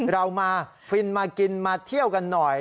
เรามาฟินมากินมาเที่ยวกันหน่อย